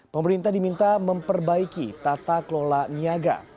pemerintah diminta memperbaiki tata kelola niaga